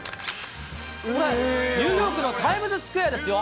ニューヨークのタイムズスクエアですよ。